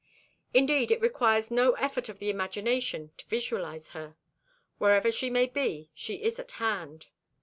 Indeed, it requires no effort of the imagination to visualize her. Whatever she may be, she is at hand.